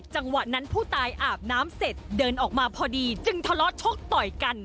จังหวะนั้นผู้ตายอาบน้ำเสร็จเดินออกมาพอดีจึงทะเลาะชกต่อยกัน